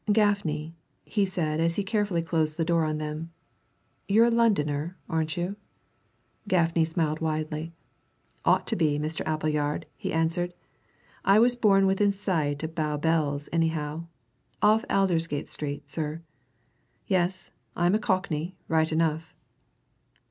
"Gaffney," he said as he carefully closed the door on them, "you're a Londoner, aren't you?" Gaffney smiled widely. "Ought to be, Mr. Appleyard," he answered. "I was born within sound of Bow Bells, anyhow. Off Aldersgate Street, sir. Yes, I'm a Cockney, right enough."